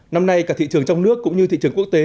năm nay cả thị trường trong nước cũng như thị trường quốc tế